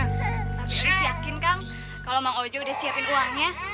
tapi disiakin kang kalo mang ojo udah siapin uangnya